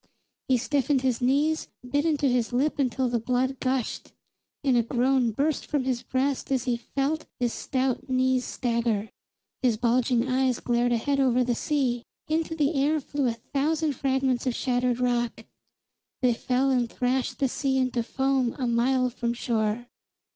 He stiffened his knees, bit into his lip until the blood gushed; and a groan burst from his breast as he felt his stout knees stagger. His bulging eyes glared ahead over the sea; into the air flew a thousand fragments of shattered rock; they fell and thrashed the sea into foam a mile from shore.